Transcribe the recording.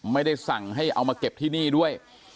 ไม่ได้สั่งให้เอามาเก็บที่นี่ด้วย